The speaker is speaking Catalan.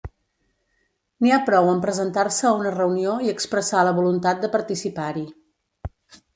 N'hi ha prou amb presentar-se a una reunió i expressar la voluntat de participar-hi.